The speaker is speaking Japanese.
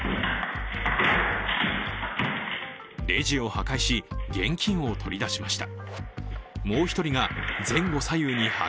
レジを破壊し現金を取り出しました。